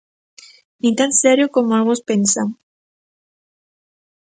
Nin tan serio como algúns pensan.